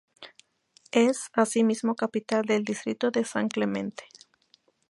Es asimismo capital del distrito de San Clemente.